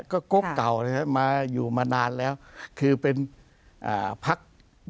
ก็กลุ่มเก่านะฮะมาอยู่มานานแล้วคือเป็นอ่าภักดิ์